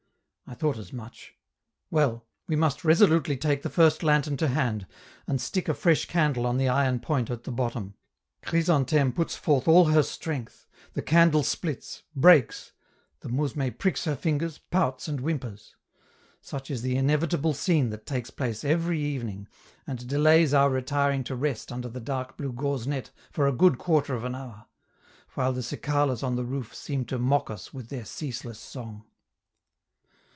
I thought as much! Well, we must resolutely take the first lantern to hand, and stick a fresh candle on the iron point at the bottom; Chrysantheme puts forth all her strength, the candle splits, breaks; the mousme pricks her fingers, pouts and whimpers. Such is the inevitable scene that takes place every evening, and delays our retiring to rest under the dark blue gauze net for a good quarter of an hour; while the cicalas on the roof seem to mock us with their ceaseless song.